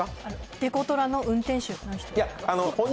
デコトラの運転手の人？